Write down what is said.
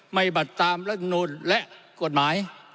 ไม่บัตรตามลักษณุนและกฎหมาย